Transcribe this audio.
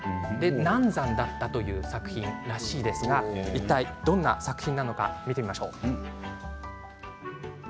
難産だったという作品らしいですがどんな作品なのか見てみましょう。